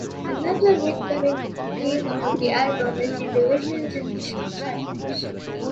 Another recurring theme on the album is the divisions in societies.